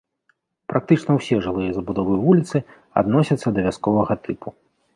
Практычна ўсе жылыя забудовы вуліцы адносяцца да вясковага тыпу.